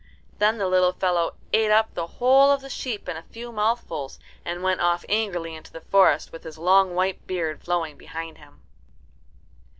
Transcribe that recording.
Then the little fellow ate up the whole of the sheep in a few mouthfuls, and went off angrily into the forest, with his long white beard flowing behind him.